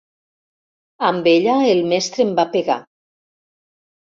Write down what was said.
Amb ella el mestre em va pegar.